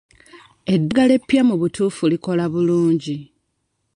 Eddagala eppya mu butuufu likola bulungi.